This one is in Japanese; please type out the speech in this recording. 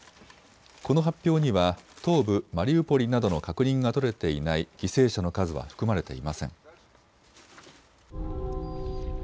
この発表には東部マリウポリなどの確認が取れていない犠牲者の数は含まれていません。